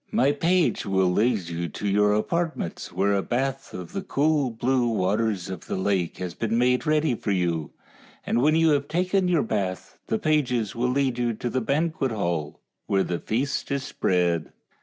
" My page will lead you to your apartments, where a bath of the cool blue THE ENCHANTED CAVE 57 waters of the lake lias been made ready for you, and when you have taken your bath the pages will lead you to the banquet hall, where the feast is spread."